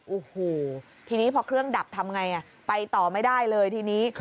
โอ้โหทีนี้พอเครื่องดับทำไงไปต่อไม่ได้เลยทีนี้